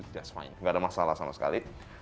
just fine nggak ada masalah sama sekali